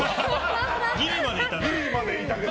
ギリまでいたな。